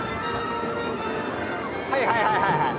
はいはいはいはいはい。